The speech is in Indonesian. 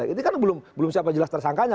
ini kan belum siapa jelas tersangkanya